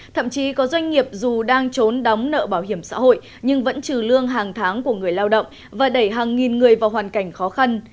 thậm chí có doanh nghiệp dù đang trốn đóng nợ bảo hiểm xã hội nhưng vẫn trừ lương hàng tháng của người lao động và đẩy hàng nghìn người vào hoàn cảnh khó khăn